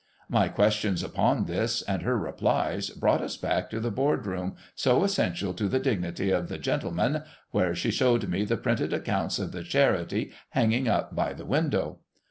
My questions upon this, and her replies, brought us back to the Board Room so essential to the dignity of ' the gentlemen,' where she showed me the printed accounts of the Charity hanging up by the window.